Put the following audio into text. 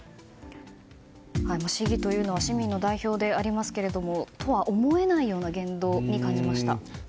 市議というのは市民の代表でありますけれどもそうとは思えないような言動に感じました。